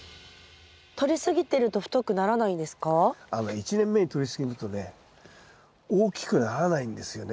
１年目にとりすぎるとね大きくならないんですよね